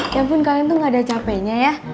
ya ampun kalian tuh nggak ada capeknya ya